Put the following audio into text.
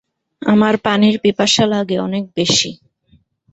আমার পানির পিপাসা লাগে অনেক বেশি।